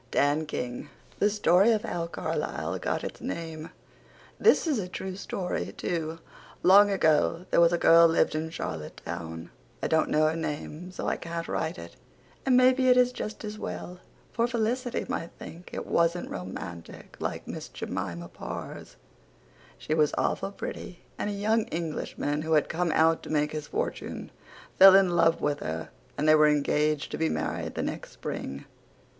DAN KING. THE STORY OF HOW CARLISLE GOT ITS NAME This is a true story to. Long ago there was a girl lived in charlotte town. I dont know her name so I cant right it and maybe it is just as well for Felicity might think it wasnt romantik like Miss Jemima Parrs. She was awful pretty and a young englishman who had come out to make his fortune fell in love with her and they were engaged to be married the next spring.